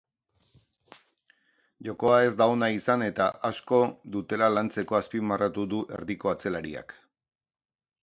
Jokoa ez da ona izan eta asko dutela lantzeko azpimarratu du erdiko atzelariak.